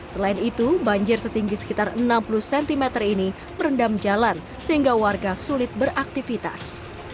selain itu banjir setinggi sekitar enam puluh cm ini merendam jalan sehingga warga sulit beraktivitas